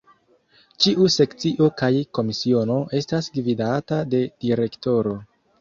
Ĉiu Sekcio kaj Komisiono estas gvidata de Direktoro.